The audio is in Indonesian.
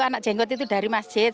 anak jenggot itu dari masjid